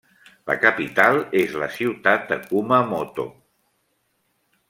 La capital és la ciutat de Kumamoto.